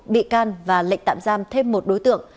bị can và lệnh tạm giam thêm một đối tượng